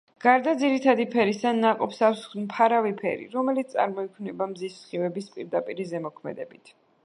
გარდა ძირითადი ფერისა, ნაყოფს აქვს მფარავი ფერი, რომელიც წარმოიქმნება მზის სხივების პირდაპირი ზემოქმედებით.